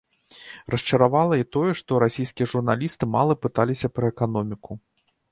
Расчаравала і тое, што расійскія журналісты мала пыталіся пра эканоміку.